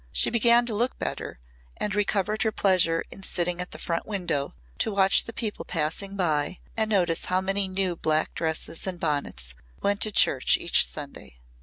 She began to look better and recovered her pleasure in sitting at the front window to watch the people passing by and notice how many new black dresses and bonnets went to church each Sunday.